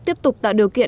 tiếp tục tạo điều kiện